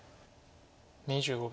２５秒。